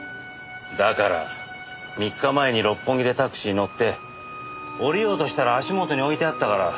だから３日前に六本木でタクシーに乗って降りようとしたら足元に置いてあったから。